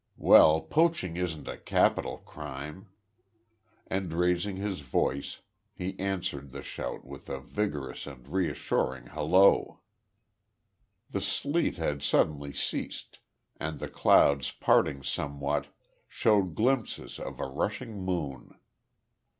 Well, poaching isn't a capital crime." And raising his voice he answered the shout with a vigorous and reassuring halloo. The sleet had suddenly ceased, and the clouds parting somewhat, showed glimpses of a rushing moon.